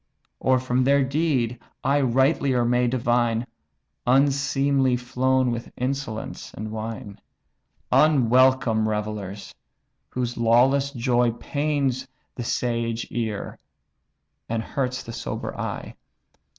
Or from their deed I rightlier may divine, Unseemly flown with insolence and wine? Unwelcome revellers, whose lawless joy Pains the sage ear, and hurts the sober eye."